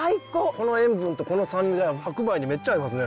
この塩分とこの酸味が白米にめっちゃ合いますね！